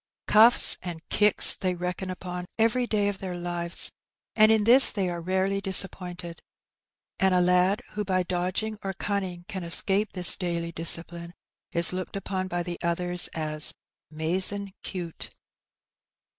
Cuffs and kicks they reckon upon every day of their lives; and in this they are rarely disappointed, and a lad who by dodging or cunning can escape this daily discipline is looked upon by the others as '''mazin^ cute.'